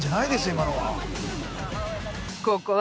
今のは。